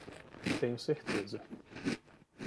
Tenho certeza